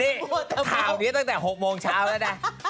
นี่ข่าวนี้ตั้งแต่๖โมงเช้าแล้วนะ